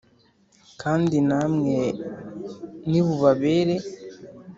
kandi namwe nibubabere,